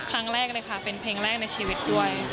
ครั้งแรกเลยค่ะเป็นเพลงแรกในชีวิตด้วย